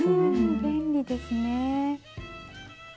うん便利ですね。